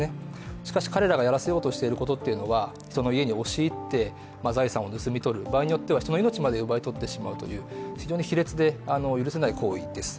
しかし彼らがやらせようとしていることというのは人の家に押し入って財産を盗み取る、場合によっては人の命まで奪い取ってしまうという非常に卑劣で許せない行為です。